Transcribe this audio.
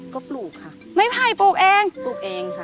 ก็ปลูกค่ะไม้ไผ่ปลูกเองปลูกเองค่ะ